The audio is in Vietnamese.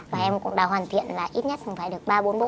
và em cũng đã hoàn thiện là ít nhất phải được ba bốn bộ hồ sơ rồi